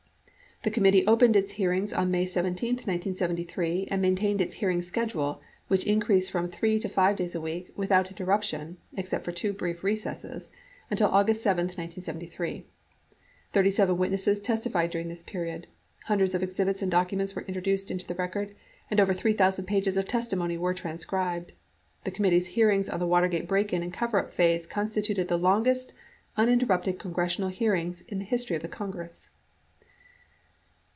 The committee opened its hearings on May 17, 1973, and maintained its hearing schedule, which increased from 3 to 5 days a week, without interruption (except for two brief recesses) until August 7, 1973. Thirty seven witnesses testified during this period, hundreds of exhibits and documents were introduced into the record, and over 3,000 pages of testimony were transcribed. The com mittee's hearings on the Watergate break in and coverup phase con stituted the longest uninterrupted congressional hearings in the history of the Congress.